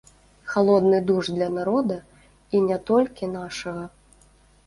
Халодны душ для народа і не толькі нашага.